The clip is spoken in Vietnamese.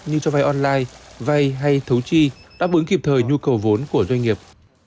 như cho vai online vai hay thấu chi đáp ứng kịp thời nhu cầu vốn của doanh nghiệp